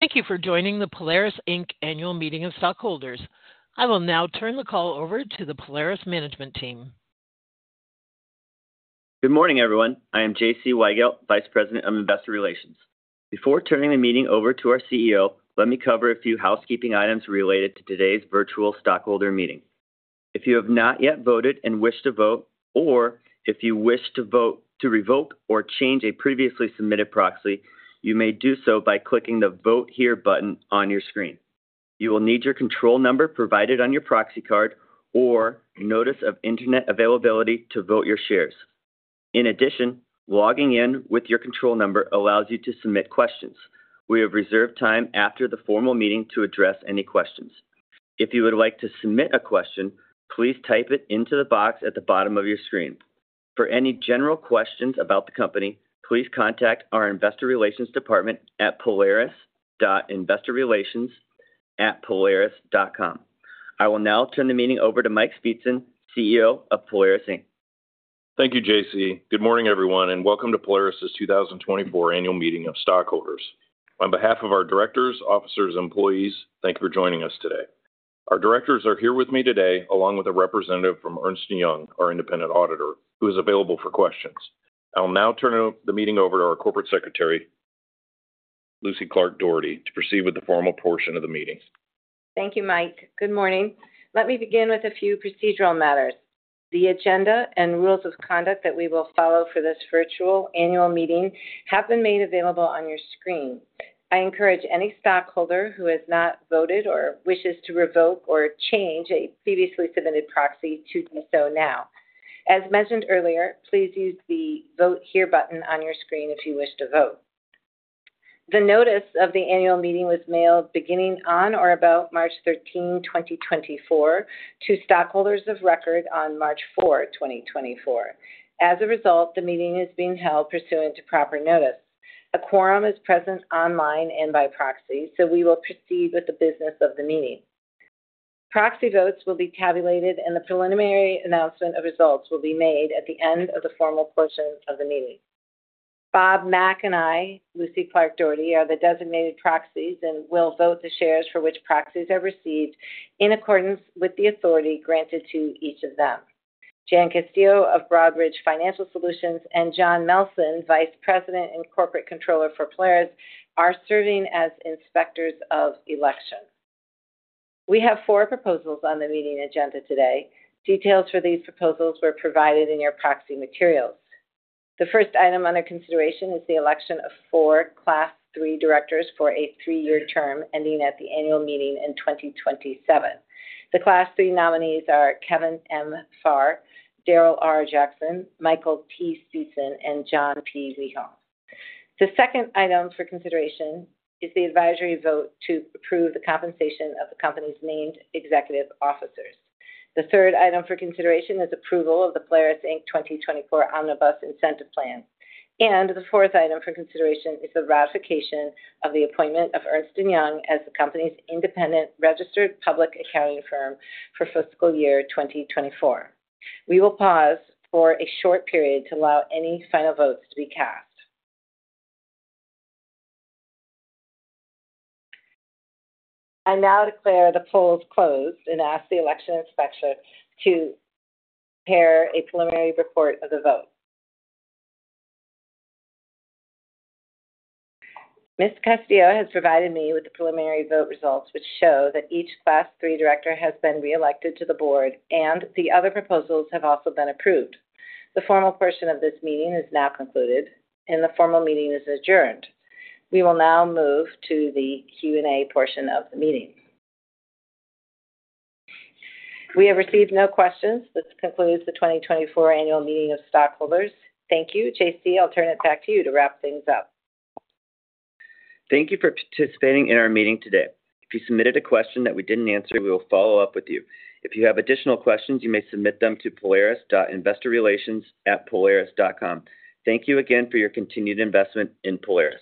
Thank you for joining the Polaris Inc annual meeting of stockholders. I will now turn the call over to the Polaris management team. Good morning, everyone. I am J.C. Weigelt, Vice President of Investor Relations. Before turning the meeting over to our CEO, let me cover a few housekeeping items related to today's virtual stockholder meeting. If you have not yet voted and wish to vote, or if you wish to vote to revoke or change a previously submitted proxy, you may do so by clicking the "Vote Here" button on your screen. You will need your control number provided on your proxy card or Notice of Internet Availability to vote your shares. In addition, logging in with your control number allows you to submit questions. We have reserved time after the formal meeting to address any questions. If you would like to submit a question, please type it into the box at the bottom of your screen. For any general questions about the company, please contact our Investor Relations department at polaris.investorrelations@polaris.com. I will now turn the meeting over to Mike Speetzen, CEO of Polaris Inc Thank you, J.C. Good morning, everyone, and welcome to Polaris's 2024 annual meeting of stockholders. On behalf of our directors, officers, and employees, thank you for joining us today. Our directors are here with me today, along with a representative from Ernst & Young, our independent auditor, who is available for questions. I will now turn the meeting over to our corporate secretary, Lucy Clark Dougherty, to proceed with the formal portion of the meeting. Thank you, Mike. Good morning. Let me begin with a few procedural matters. The agenda and rules of conduct that we will follow for this virtual annual meeting have been made available on your screen. I encourage any stockholder who has not voted or wishes to revoke or change a previously submitted proxy to do so now. As mentioned earlier, please use the "Vote Here" button on your screen if you wish to vote. The notice of the annual meeting was mailed beginning on or about March 13, 2024, to stockholders of record on March 4, 2024. As a result, the meeting is being held pursuant to proper notice. A quorum is present online and by proxy, so we will proceed with the business of the meeting. Proxy votes will be tabulated, and the preliminary announcement of results will be made at the end of the formal portion of the meeting. Bob Mack and I, Lucy Clark Dougherty, are the designated proxies and will vote the shares for which proxies are received in accordance with the authority granted to each of them. Jean Castillo of Broadridge Financial Solutions and John M. Olson, Vice President and Corporate Controller for Polaris, are serving as inspectors of election. We have four proposals on the meeting agenda today. Details for these proposals were provided in your proxy materials. The first item under consideration is the election of four Class III Directors for a three-year term ending at the annual meeting in 2027. The Class III nominees are Kevin M. Farr, Darryl R. Jackson, Michael T. Speetzen, and John P. Wiehoff. The second item for consideration is the advisory vote to approve the compensation of the company's named executive officers. The third item for consideration is approval of the Polaris Inc 2024 Omnibus Incentive Plan. The fourth item for consideration is the ratification of the appointment of Ernst & Young as the company's independent registered public accounting firm for fiscal year 2024. We will pause for a short period to allow any final votes to be cast. I now declare the polls closed and ask the election inspector to prepare a preliminary report of the vote. Ms. Castillo has provided me with the preliminary vote results, which show that each Class III director has been reelected to the board and the other proposals have also been approved. The formal portion of this meeting is now concluded, and the formal meeting is adjourned. We will now move to the Q&A portion of the meeting. We have received no questions. This concludes the 2024 annual meeting of stockholders. Thank you. J.C., I'll turn it back to you to wrap things up. Thank you for participating in our meeting today. If you submitted a question that we didn't answer, we will follow up with you. If you have additional questions, you may submit them to polaris.investorrelations@polaris.com. Thank you again for your continued investment in Polaris.